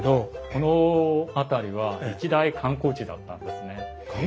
この辺りは一大観光地だったんですね。